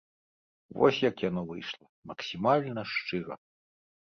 Вось як яно выйшла, максімальна шчыра.